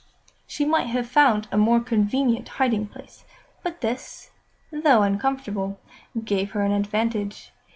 She might have found a more convenient hiding place, but this, though uncomfortable, gave her an advantage.